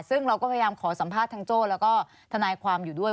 ซึ่งเราก็พยายามขอสัมภาษณ์ทางโจ้แล้วก็ทนายความอยู่ด้วย